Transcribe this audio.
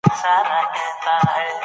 ژوند له مرګ څخه ډیر ستونزمن او دردناک دی.